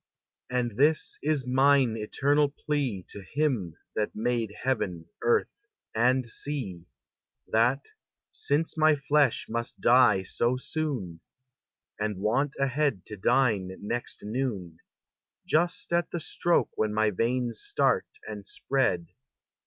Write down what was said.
And this is mine eternal plea To Him that made heaven, earth, and sea', That, since my flesh must die so soon, And want a head to dine next noon, Just at the stroke when my veins start and spread.